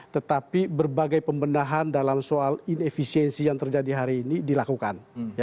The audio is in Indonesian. tetapi berbagai pembendahan dalam soal inefisiensi yang terjadi hari ini dilakukan